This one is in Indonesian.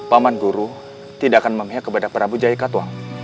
paman guru tidak akan memihak kepada prabu jaya katuang